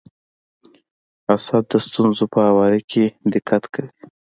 اسد د ستونزو په هواري کي دقت کوي.